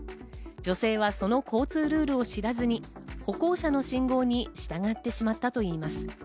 女性はその交通ルールを知らずに歩行者の信号に従ってしまったといいます。